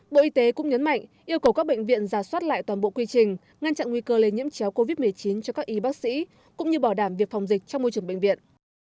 bộ y tế cũng nhấn mạnh yêu cầu các bệnh viện giả soát lại toàn bộ quy trình ngăn chặn nguy cơ lây nhiễm chéo covid một mươi chín cho các y bác sĩ cũng như bảo đảm việc phòng dịch trong môi trường bệnh viện